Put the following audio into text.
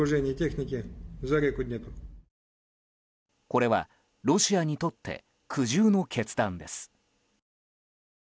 これはロシアにとって苦渋の決断です。